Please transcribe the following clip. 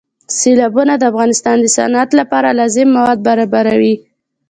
سیلابونه د افغانستان د صنعت لپاره لازم مواد برابروي.